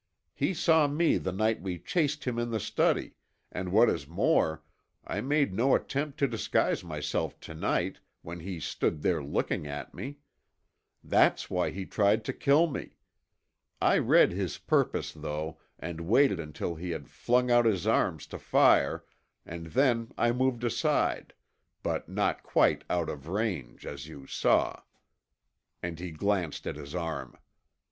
He saw me the night we chased him in the study, and what is more, I made no attempt to disguise myself to night when he stood there looking at me. That's why he tried to kill me. I read his purpose though and waited until he had flung out his arm to fire, and then I moved aside, but not quite out of range, as you saw," and he glanced at his arm.